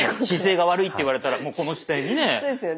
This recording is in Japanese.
姿勢が悪いって言われたらもうこの姿勢にね。